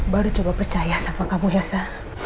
baru coba percaya sama kamu yasa